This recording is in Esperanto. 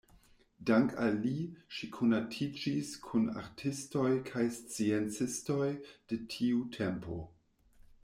Dank‘ al li ŝi konatiĝis kun artistoj kaj sciencistoj de tiu tempo.